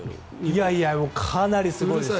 いやいやかなりうるさいですよ。